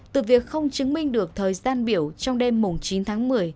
từ việc không chứng minh được thời gian biểu trong đêm chín tháng một mươi